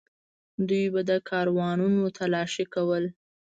دوی به کاروانونه تالاشي کول.